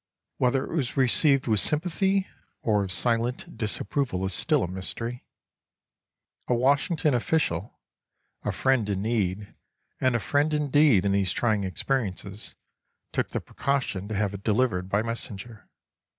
Whether it was received with sympathy or with silent disapproval is still a mystery. A Washington official, a friend in need and a friend indeed in these trying experiences, took the precaution to have it delivered by messenger.